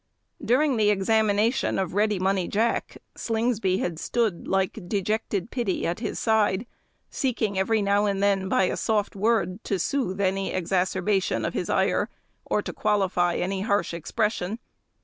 During the examination of Ready Money Jack, Slingsby had stood like "dejected Pity at his side," seeking every now and then, by a soft word, to soothe any exacerbation of his ire, or to qualify any harsh expression.